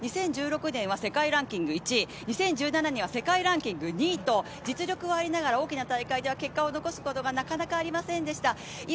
２０１６年は世界ランキング１位、２０１７年世界ランキング２位と実力はありながら、大きな大会では結果を残すことがなかなかありませんでした。